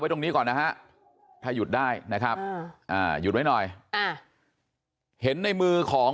ตรงนี้ก่อนนะฮะถ้าหยุดได้นะครับหยุดไว้หน่อยเห็นในมือของ